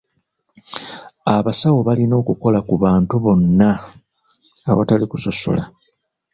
Abasawo balina okukola ku bantu bonna awatali kusosola.